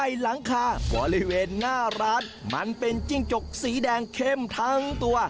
หลังคาบริเวณหน้าร้านมันเป็นจิ้งจกสีแดงเข้มทั้งตัว